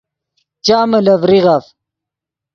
چامے لے ڤریغف